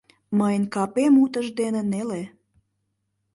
Мыйын капем утыждене неле.